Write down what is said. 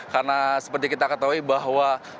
karena seperti kita ketahui bahwa